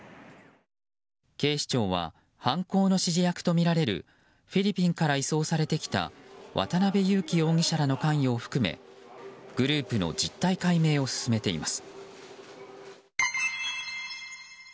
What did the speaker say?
警視庁は犯行の指示役とみられるフィリピンから移送されてきた渡辺優樹容疑者らの関与を含めグループの実態解明を進めています。